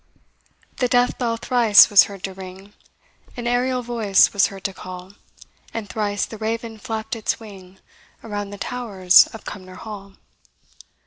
The death bell thrice was heard to ring, An aerial voice was heard to call, And thrice the raven flapp'd its wing Around the towers of Cumnor Hall.